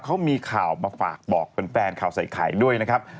เขามีข่าวมาฝากบอกแฟนข่าวใส่ไข่ด้วยนะครับ